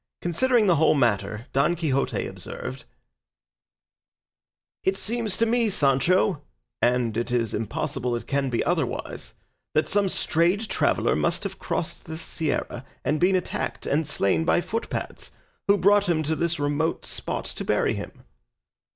Considering the whole matter, Don Quixote observed: "It seems to me, Sancho and it is impossible it can be otherwise that some strayed traveller must have crossed this sierra and been attacked and slain by footpads, who brought him to this remote spot to bury him."